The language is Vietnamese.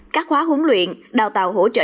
các khóa huấn luyện đào tạo hỗ trợ